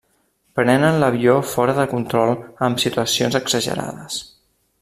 Prenen l'avió fora de control amb situacions exagerades.